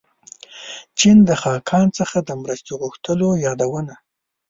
چین د خاقان څخه د مرستې غوښتلو یادونه.